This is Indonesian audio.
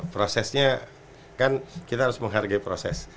prosesnya kan kita harus menghargai proses